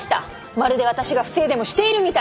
まるで私が不正でもしているみたいに。